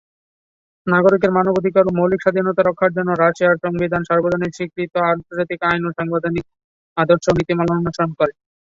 নাগরিকের মানবাধিকার ও মৌলিক স্বাধীনতা রক্ষার জন্য রাশিয়ার সংবিধান সার্বজনীন স্বীকৃত আন্তর্জাতিক আইন ও সাংবিধানিক আদর্শ ও নীতিমালা অনুসরণ করে।